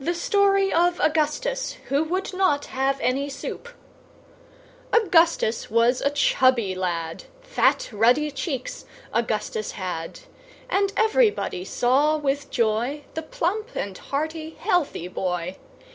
The Story of Augustus who would not have any Soup Augustus was a chubby lad; Fat ruddy cheeks Augustus had: And everybody saw with joy The plump and hearty, healthy boy.